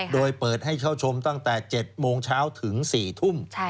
โดยเปิดให้เข้าชมตั้งแต่๗โมงเช้าถึง๔ทุ่ม